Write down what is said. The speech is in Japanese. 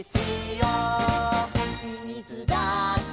「みみずだって」